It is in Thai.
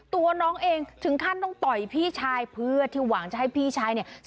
ตัวน้องเองถึงขั้นต้องต่อยพี่ชายเพื่อที่หวังจะให้พี่ชายเนี่ย